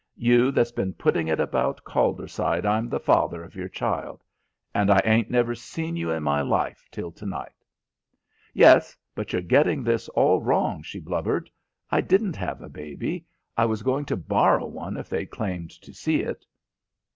You that's been putting it about Calderside I'm the father of your child, and I ain't never seen you in my life till to night." "Yes, but you're getting this all wrong," she blubbered. "I didn't have a baby. I was going to borrow one if they'd claimed to see it."